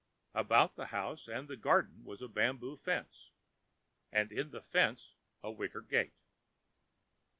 About the house and the garden there was a bamboo fence, and in the fence a wicket gate.